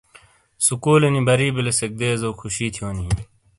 سکولونی بری بیلیسیک دیزو خوشی تھیونو ہی۔